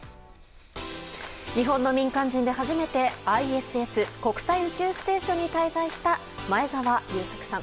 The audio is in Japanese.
日本の民間人で初めてＩＳＳ・国際宇宙ステーションに滞在した前澤友作さん。